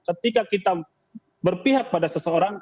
ketika kita berpihak pada seseorang